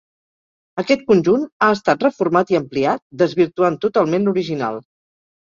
Aquest conjunt ha estat reformat i ampliat, desvirtuant totalment l'original.